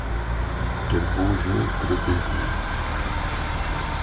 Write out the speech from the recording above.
Quel beau jeu que le bésigue !